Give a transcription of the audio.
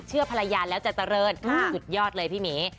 ภรรยาแล้วจะเจริญสุดยอดเลยพี่หมี